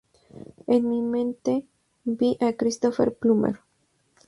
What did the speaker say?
En mi mente, vi a Christopher Plummer.